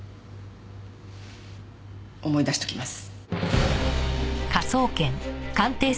思い出しときます。